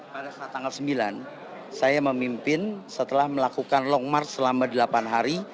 pada saat tanggal sembilan saya memimpin setelah melakukan long march selama delapan hari